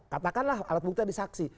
katakanlah alat bukti disaksi